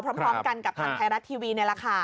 พร้อมกันกับทางไทยรัฐทีวีนี่แหละค่ะ